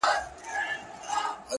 راوړم سکروټې تر دې لویي بنگلي پوري.